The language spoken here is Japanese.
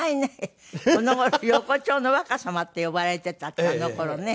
「横丁の若様」って呼ばれてたあの頃ね。